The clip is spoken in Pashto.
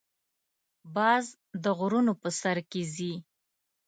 باز د غرونو په سر کې ځې